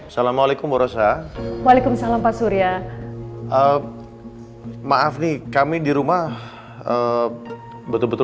salam alaikum warahmatullah waalaikumsalam pak surya maaf nih kami di rumah betul betul